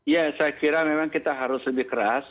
ya saya kira memang kita harus lebih keras